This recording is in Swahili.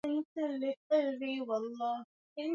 Maeneo mazuri ni yale ambayo yametulia